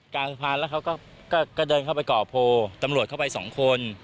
กลางสะพานแล้วเขาก็เดินเข้าไปก่อโพลตำรวจเข้าไปสองคน